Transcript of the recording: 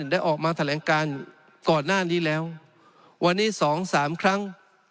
ได้ออกมาแถลงการก่อนหน้านี้แล้ววันนี้๒๓ครั้ง